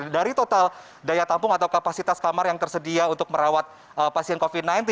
dari total daya tampung atau kapasitas kamar yang tersedia untuk merawat pasien covid sembilan belas